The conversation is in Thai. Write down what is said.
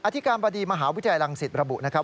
อธิการบดีมหาวิทยาลังศิษย์ระบุนะครับ